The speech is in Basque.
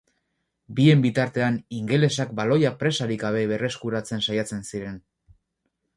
Bien bitartean, ingelesak baloia presa askorik gabe berreskuratzen saiatzen ziren.